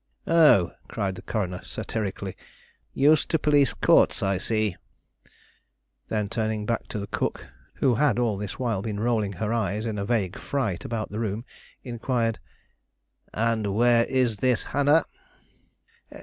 "Oh," cried the coroner, satirically; "used to police courts, I see." Then, turning back to the cook, who had all this while been rolling her eyes in a vague fright about the room, inquired, "And where is this Hannah?"